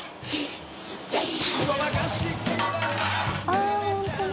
あっ本当だ！